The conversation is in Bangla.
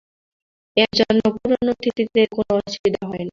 এর জন্যে পুরনো অতিথিদের কোনো অসুবিধে হয় না।